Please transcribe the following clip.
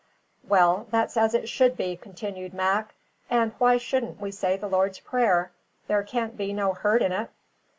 "Well, that's as it should be," continued Mac. "And why shouldn't we say the Lord's Prayer? There can't be no hurt in ut."